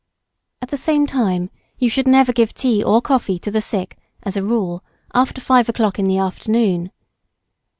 At the same time you never should give tea or coffee to the sick, as a rule, after 5 o'clock in the afternoon.